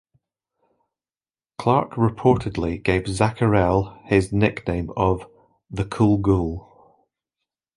Clark reportedly gave Zacherle his nickname of The Cool Ghoul.